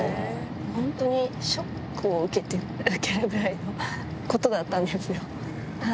本当にショックを受けるぐらいのことだったんですよ。